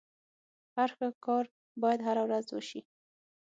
هر ښه کار بايد هره ورځ وسي.